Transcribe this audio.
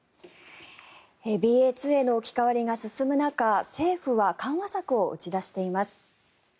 ＢＡ．２への置き換わりが進む中政府は緩和策を打ち出しています。